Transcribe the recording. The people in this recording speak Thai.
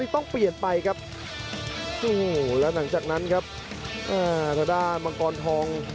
ตั้งไม่รู้ว่าตัวมนและผู้หวาน